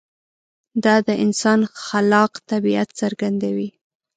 دا د انسان خلاق طبیعت څرګندوي.